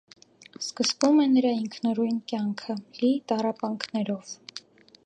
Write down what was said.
Սկսվում է նրա ինքնուրույն կյանքը՝ լի տառապանքներով։